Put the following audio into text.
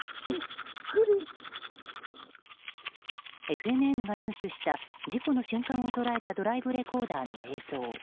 ＦＮＮが入手した事故の瞬間を捉えたドライブレコーダーの映像。